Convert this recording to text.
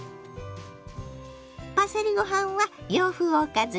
パセリご飯は洋風おかずにピッタリ。